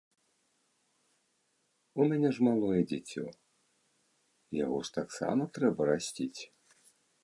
У мяне ж малое дзіцё, яго ж таксама трэба расціць.